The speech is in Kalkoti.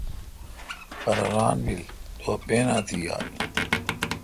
پرہ ران بیل تو اپن اں تی یال۔